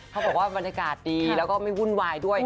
บอกว่าบรรยากาศดีแล้วก็ไม่วุ่นวายด้วย